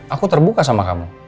aku terbuka sama kamu